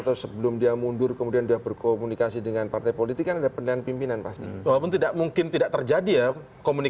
terima kasih pak polri